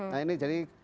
nah ini jadi